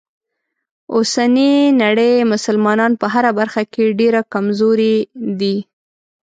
اوسنۍ نړۍ مسلمانان په هره برخه کې ډیره کمزوری دي.